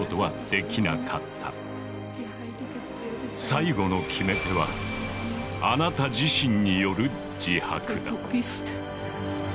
最後の決め手はあなた自身による自白だ。